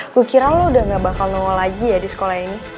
gue kira lo udah gak bakal nongol lagi ya di sekolah ini